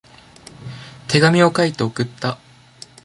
手紙を書いて送った。